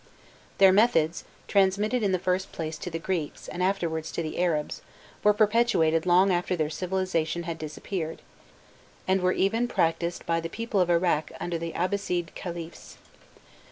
Their methods, transmitted in the first place to the Greeks, and afterwards to the Arabs, were perpetuated long after their civilization had disappeared, and were even practised by the people of Iraq under the Abbasside Caliphs.